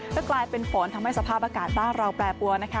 ก็กลายเป็นฝนทำให้สภาพอากาศบ้านเราแปรปรวนนะคะ